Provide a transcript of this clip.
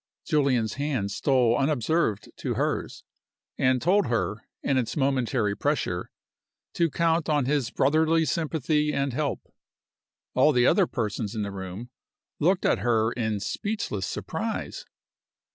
Julian's hand stole unobserved to hers, and told her, in its momentary pressure, to count on his brotherly sympathy and help. All the other persons in the room looked at her in speechless surprise.